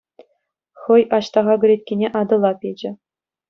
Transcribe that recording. Хӑй Аҫтаха кӗлеткине Атӑла печӗ.